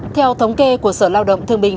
theo thống kê của sở lao động thương bình